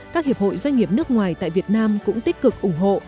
các hiệp hội doanh nghiệp nước ngoài tại việt nam cũng tích cực ủng hộ